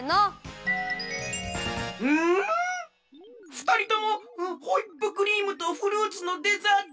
ふたりともホイップクリームとフルーツのデザート